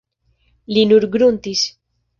Li nur gruntis.